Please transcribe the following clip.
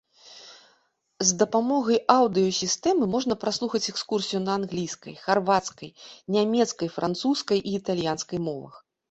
З дапамогай аўдыёсістэмы можна праслухаць экскурсію на англійскай, харвацкай, нямецкай, французскай і італьянскай мовах.